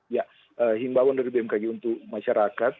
ya himbawan dari bmkg untuk masyarakat